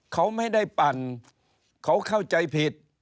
เขาไม่ได้ปั่นเขาเข้าใจผิด